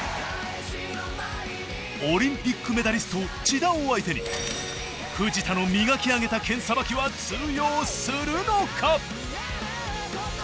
オリンピックメダリスト千田を相手に藤田の磨き上げた剣さばきは通用するのか！？